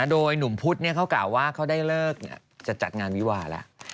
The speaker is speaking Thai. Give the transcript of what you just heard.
โดยหนุ่มพุธเขากล่าวว่าเขาได้เลิกจะจัดงานวิวาแล้ว